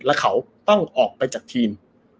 แล้วเขาต้องออกไปจากทีม